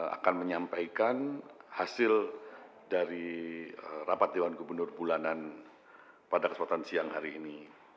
akan menyampaikan hasil dari rapat dewan gubernur bulanan pada kesempatan siang hari ini